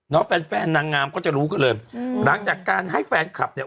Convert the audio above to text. แฟนแฟนนางงามก็จะรู้กันเลยอืมหลังจากการให้แฟนคลับเนี่ย